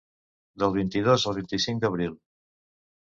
Del vint-i-dos al vint-i-cinc d’abril.